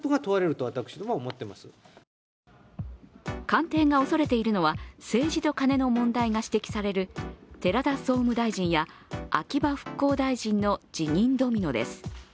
官邸が恐れているのは政治とカネの問題が指摘される寺田総務大臣や秋葉復興大臣の辞任ドミノです。